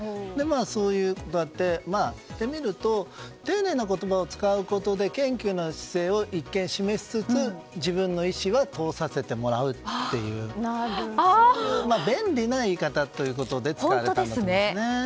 そういうこともあって言ってみると丁寧な言葉を使うことで謙虚な姿勢を一見示しつつ、自分の意思は通させてもらうという便利な言い方ということで使われたんですね。